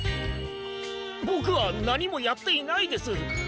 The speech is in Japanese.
ボクはなにもやっていないです！